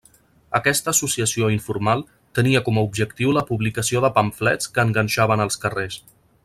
Aquesta associació informal tenia com a objectiu la publicació de pamflets que enganxaven als carrers.